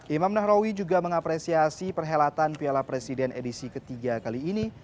imam nahrawi juga mengapresiasi perhelatan piala presiden edisi ketiga kali ini